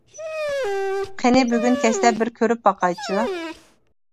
قېنى بۈگۈن كەچتە بىر كۆرۈپ باقايچۇ.